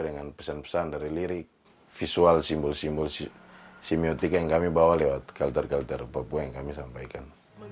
dengan pesan pesan dari lirik visual simbol simbol simiotika yang kami bawa lewat kalter kalter papua yang kami sampaikan